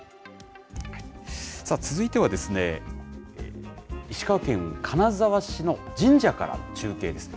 さあ、続いてはですね、石川県金沢市の神社から中継です。